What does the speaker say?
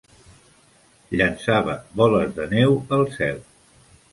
Llançava boles de neu al cel.